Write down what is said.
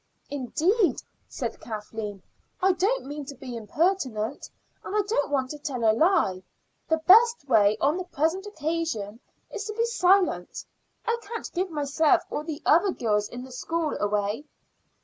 "Indeed," said Kathleen, "I don't mean to be impertinent, and I don't want to tell a lie. The best way on the present occasion is to be silent. I can't give myself or the other girls in the school away.